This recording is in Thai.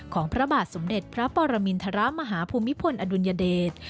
พระบาทสมเด็จพระปรมินทรมาฮภูมิพลอดุลยเดช